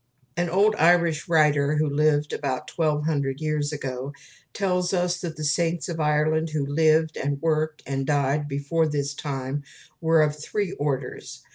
An old Irish writer who lived about twelve hundred years ago tells us that the saints of Ireland who lived, and worked, and died before his time were of "Three Orders."